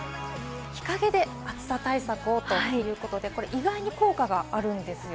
日陰で暑さ対策をということで、意外に効果があるんですよ。